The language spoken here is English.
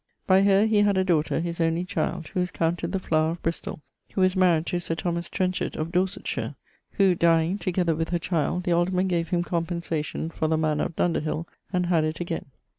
By her he had a daughter, his only child, who was counted the flower of Bristol, who was maried to Sir Thomas Trenchard of Dorsetshire, who dyeing (together with her child), the alderman gave him compensation for the mannour of Dunderhill and had it again.